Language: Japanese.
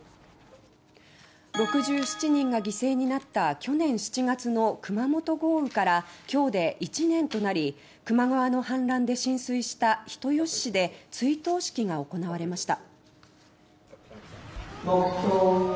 ６７人が犠牲になった去年７月の熊本豪雨からきょうで１年となり球磨川の氾濫で浸水した人吉市で追悼式が行われました。